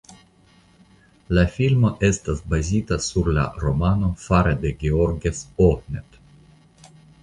La filmo estas bazita sur la romano fare de Georges Ohnet.